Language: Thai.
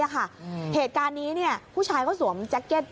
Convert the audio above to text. เหตุการณ์นี้ผู้ชายเขาสวมแจ็คเก็ต